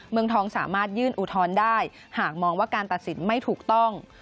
เมืองทองสามารถยื่นอุทธรณ์ได้หากมองว่าการตัดสินไม่ถูกต้อง